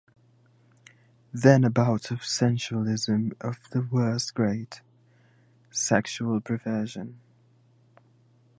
Then a bout of sensualism of the worst grade, sexual perversion.